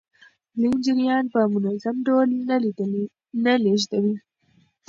لین جریان په منظم ډول نه لیږدوي.